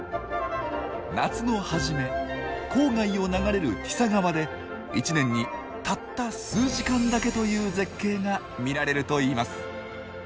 夏の初め郊外を流れるティサ川で一年にたった数時間だけという絶景が見られるといいます。